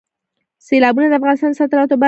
سیلابونه د افغانستان د صادراتو برخه ده.